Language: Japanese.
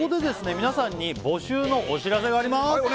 皆さんに募集のお知らせがあります